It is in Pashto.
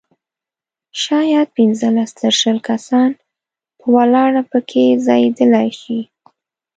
شاید پنځلس تر شل کسان په ولاړه په کې ځایېدلای شي.